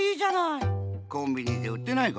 コンビニでうってないかな？